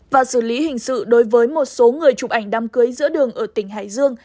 và xử lý hình sự đối với một số người chụp ảnh đám cưới giữa đường ở tỉnh hải dương